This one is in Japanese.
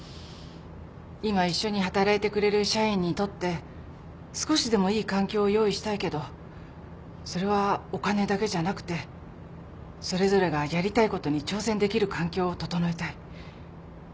今一緒に働いてくれる社員にとって少しでもいい環境を用意したいけどそれはお金だけじゃなくてそれぞれがやりたいことに挑戦できる環境を整えたい